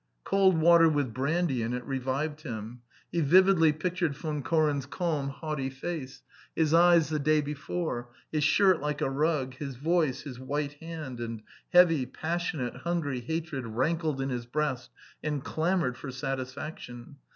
Cold water with brandy in it revived him. He vividly pictured Von Koren's calm, haughty face; his eyes the day before, his shirt like a rug, his voice, his white hand; and heavy, passionate, hungry hatred rankled in his breast and clamoured for satisfaction.